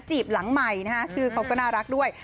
บหลังใหม่นะฮะชื่อเขาก็น่ารักด้วย